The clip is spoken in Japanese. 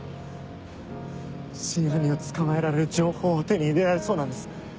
真犯人を捕まえられる情報を手に入れられそうなんです。